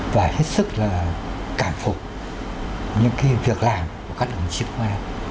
và hết sức là cảm phục những cái việc làm của các đồng chí công an